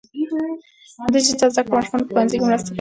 ډیجیټل زده کړه ماشومان په ښوونځي کې مرسته کوي.